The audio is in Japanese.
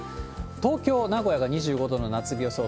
東京、名古屋が２５度夏日予想。